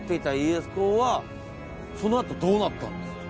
その後どうなったんですか？